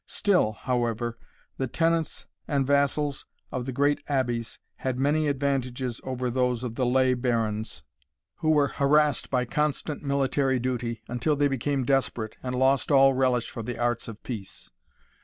Still, however, the tenants and vassals of the great Abbeys had many advantages over those of the lay barons, who were harassed by constant military duty, until they became desperate, and lost all relish for the arts of peace.